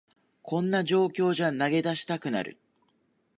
こんな状況じゃ投げ出したくなる